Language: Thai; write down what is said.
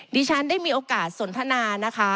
ดิฉันได้มีโอกาสสนทนานะคะ